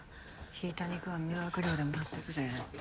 ひいた肉は迷惑料でもらっていくぜ。